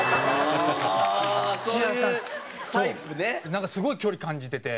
なんかすごい距離感じてて。